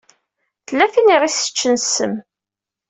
Tella tin i ɣ-iseččen ssem.